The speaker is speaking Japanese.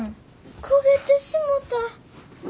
焦げてしもた。